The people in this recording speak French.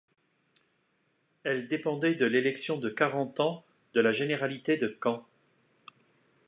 Elle dépendait de l'élection de Carentan, de la généralité de Caen.